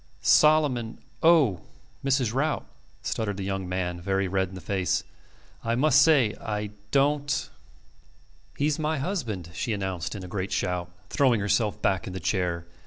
"Solomon. ... Oh! ... Mrs. Rout," stuttered the young man, very red in the face, "I must say ... I don't. ..." "He's my husband," she announced in a great shout, throwing herself back in the chair.